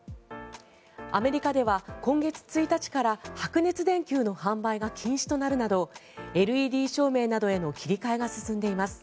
アメリカでは、今月１日から白熱電球の販売が禁止となるなどＬＥＤ照明などへの切り替えが進んでいます。